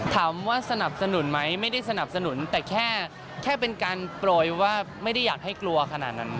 ถามว่าสนับสนุนไหมไม่ได้สนับสนุนแต่แค่เป็นการโปรยว่าไม่ได้อยากให้กลัวขนาดนั้น